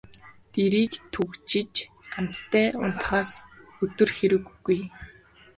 Дэрийг түшиж амттай унтахаас өдөр хэрэг үгүй.